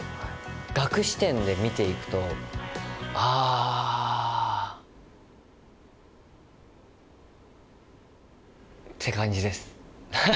岳視点で見ていくとて感じです